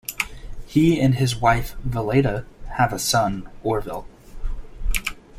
He and his wife, Valeda, have a son, Orville.